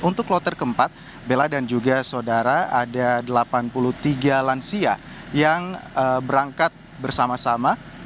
untuk kloter keempat bella dan juga saudara ada delapan puluh tiga lansia yang berangkat bersama sama